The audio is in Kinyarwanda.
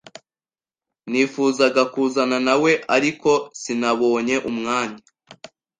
Nifuzaga kuzana nawe, ariko sinabonye umwanya.